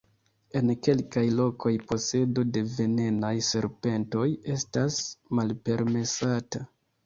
En kelkaj lokoj posedo de venenaj serpentoj estas malpermesata.